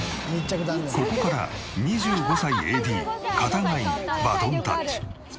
ここから２５歳ＡＤ片貝にバトンタッチ。